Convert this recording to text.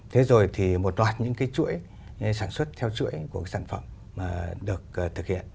thế rồi thì một loạt những cái chuỗi sản xuất theo chuỗi của sản phẩm mà được thực hiện